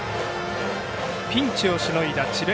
ピンチをしのいだ智弁